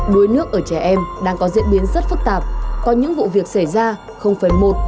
đuối nước ở trẻ em đang có diễn biến rất phức tạp có những vụ việc xảy ra một